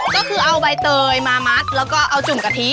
ก็คือเอาใบเตยมามัดแล้วก็เอาจุ่มกะทิ